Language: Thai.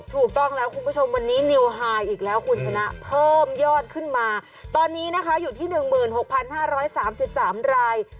ถูกต้องแล้วคุณผู้ชมวันนี้นิวไฮอีกแล้วคุณชนะเพิ่มยอดขึ้นมาตอนนี้นะคะอยู่ที่หนึ่งหมื่นหกพันห้าร้อยสามสิบสามราย